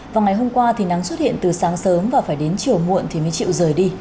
vào ngày hôm qua thì nắng xuất hiện từ sáng sớm và phải đến chiều muộn thì mới chịu rời đi